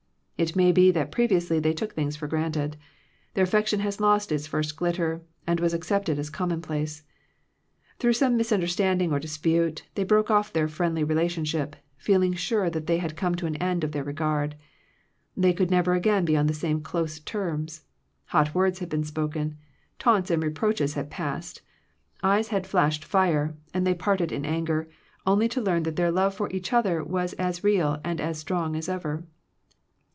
It may be that previously they took things for granted. Their af fection had lost its first glitter, and was accepted as a commonplace. Through some misunderstanding or dispute, they broke oflf their friendly relationship, feel ing sure that they had come to an end of their regard. They could never again be on the same close terms; hot words had been spoken; taunts and reproaches had passed; eyes had flashed fire, and they parted in anger — only to learn that their love for each other was as real and as strong as ever.